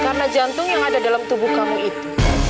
karena jantung yang ada dalam tubuh kamu itu